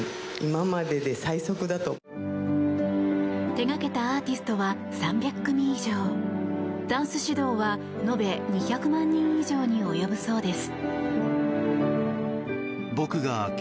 手掛けたアーティストは３００組以上ダンス指導は延べ２００万人以上に及ぶそうです。